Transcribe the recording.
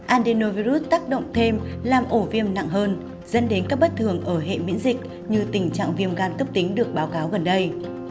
andenoviru tác động thêm làm ổ viêm nặng hơn dẫn đến các bất thường ở hệ miễn dịch như tình trạng viêm gan cấp tính được báo cáo gần đây